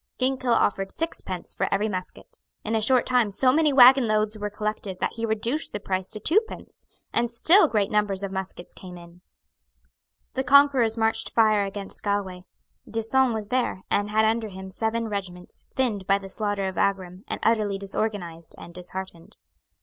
Ginkell offered sixpence for every musket. In a short time so many waggon loads were collected that he reduced the price to twopence; and still great numbers of muskets came in. The conquerors marched first against Galway. D'Usson was there, and had under him seven regiments, thinned by the slaughter of Aghrim and utterly disorganized and disheartened.